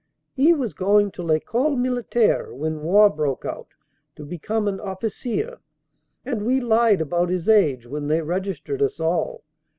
"He was going to L Ecole Militaire when war broke out to become an offi cier and we lied about his age when they registered us all.